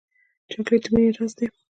چاکلېټ د مینې راز لري.